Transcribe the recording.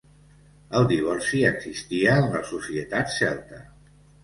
El divorci existia en la societat celta.